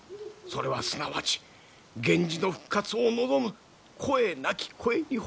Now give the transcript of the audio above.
それはすなわち源氏の復活を望む声なき声にほかなりませぬ。